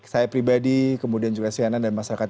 saya pribadi kemudian juga cnn dan masyarakat